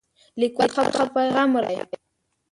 لیکوال ښه پیغام ورکړی.